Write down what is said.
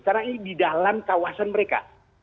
karena ini di dalam kawasan mereka